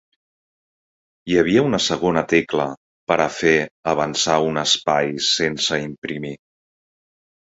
Hi havia una segona tecla per a fer avançar un espai sense imprimir.